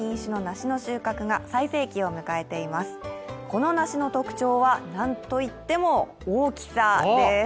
この梨の特徴は、なんといっても大きさです。